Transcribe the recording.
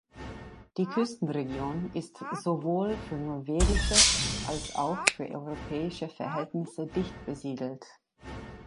Die Küstenregion ist sowohl für norwegische als auch für europäische Verhältnisse dicht besiedelt.